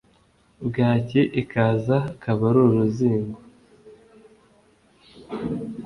bwaki ikaza akaba uruzingo